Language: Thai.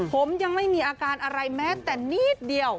ผมยังไม่มีอาการอะไรแม้แต่นิดเดียว